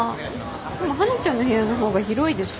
でも華ちゃんの部屋の方が広いでしょ。